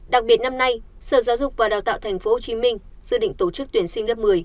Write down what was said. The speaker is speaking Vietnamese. đặc biệt năm nay sở giáo dục và đào tạo tp hcm dự định tổ chức tuyển sinh lớp một mươi